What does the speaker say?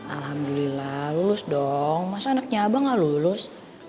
alhamdulillah lulus dong masa anaknya abah nggak lulus